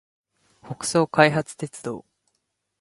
北総開発鉄道